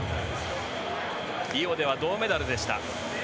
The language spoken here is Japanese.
リオでは銅メダルでした。